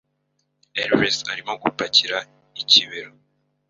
Elves arimo gupakira ikibero